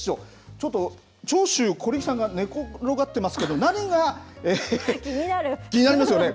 ちょっと長州小力さんが寝転がってますけど気になりますよね